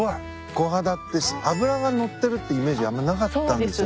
コハダって脂が乗ってるってイメージあんまなかったんですよね。